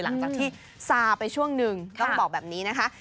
หลังจากที่ซาไปช่วงหนึ่งต้องบอกแบบนี้นะคะ